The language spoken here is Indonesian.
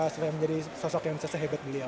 supaya menjadi sosok yang sehebat beliau